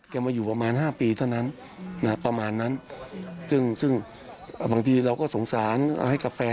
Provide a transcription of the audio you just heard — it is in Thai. มาอยู่ประมาณห้าปีเท่านั้นประมาณนั้นซึ่งซึ่งบางทีเราก็สงสารให้กับแฟน